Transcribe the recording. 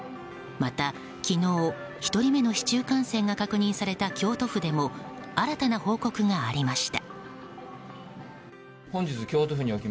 また、昨日１人目の市中感染が確認された京都府でも新たな報告がありました。